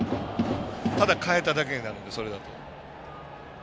ただ、代えただけになるのでそれだと。